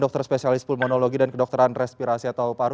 dokter spesialis pulmonologi dan kedokteran respirasi atau paru